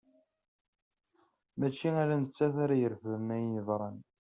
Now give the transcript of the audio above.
Mačči ala nettat ara irefden ayen yeḍran.